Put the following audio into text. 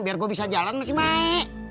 biar gue bisa jalan masih maik